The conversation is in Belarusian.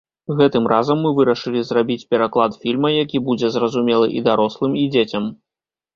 Гэтым разам мы вырашылі зрабіць пераклад фільма, які будзе зразумелы і дарослым, і дзецям.